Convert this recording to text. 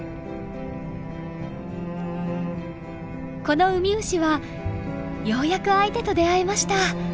このウミウシはようやく相手と出会えました！